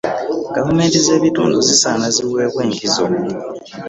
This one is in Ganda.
Gavumenti z'ebitundu zisaana ziweebwe enkizo.